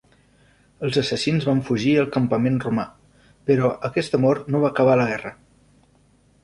Els assassins van fugir al campament romà, però aquesta mort no va acabar la guerra.